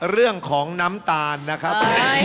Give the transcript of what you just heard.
เรื่องของน้ำตาลนะครับ